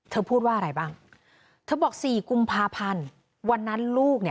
พูดว่าอะไรบ้างเธอบอก๔กุมภาพันธ์วันนั้นลูกเนี่ย